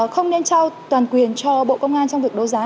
không nên trao toàn quyền cho bộ công an trong việc đấu giá